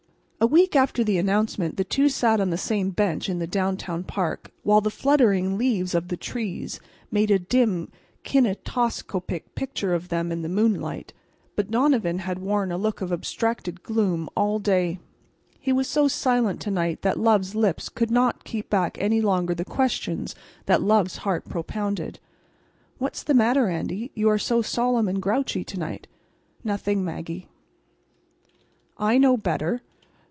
A week after the announcement the two sat on the same bench in the downtown park, while the fluttering leaves of the trees made a dim kinetoscopic picture of them in the moonlight. But Donovan had worn a look of abstracted gloom all day. He was so silent to night that love's lips could not keep back any longer the questions that love's heart propounded. "What's the matter, Andy, you are so solemn and grouchy to night?" "Nothing, Maggie." "I know better.